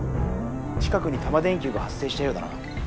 近くにタマ電Ｑが発生したようだな。